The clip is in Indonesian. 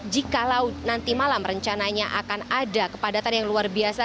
jikalau nanti malam rencananya akan ada kepadatan yang luar biasa